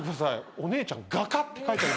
お姉ちゃん「画家」って書いてある。